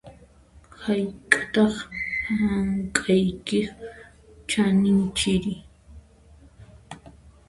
Hayk'ataq hank'aykiq chaninri?